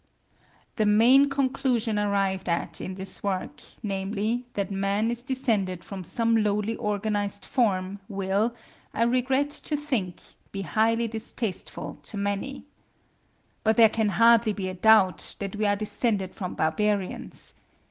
The main conclusion arrived at in this work, namely, that man is descended from some lowly organised form, will, I regret to think, be highly distasteful to many. But there can hardly be a doubt that we are descended from barbarians.